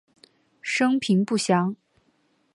生平不详。